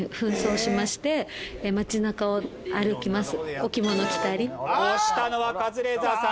押したのはカズレーザーさん。